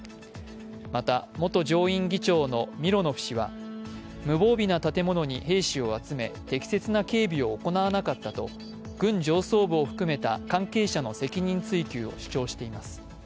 また元上院議長のミロノフ氏は無防備な建物に兵士を集め、適切な警備を行わなかったと軍上層部を含めた関係者の責任追及を主張しています。